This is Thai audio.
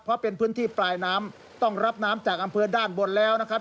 เพราะเป็นพื้นที่ปลายน้ำต้องรับน้ำจากอำเภอด้านบนแล้วนะครับ